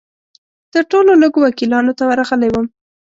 تر ټولو لږو وکیلانو ته ورغلی وم.